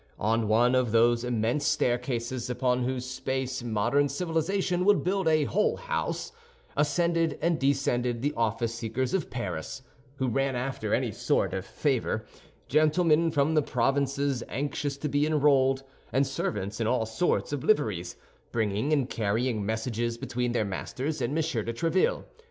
On one of those immense staircases, upon whose space modern civilization would build a whole house, ascended and descended the office seekers of Paris, who ran after any sort of favor—gentlemen from the provinces anxious to be enrolled, and servants in all sorts of liveries, bringing and carrying messages between their masters and M. de Tréville.